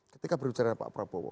ketika berbicara pak prabowo